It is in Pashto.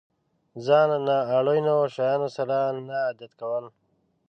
ځان له نا اړينو شيانو سره نه عادت کول.